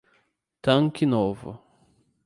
Tanque Novo